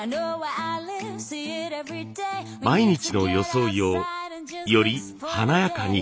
毎日の装いをより華やかに。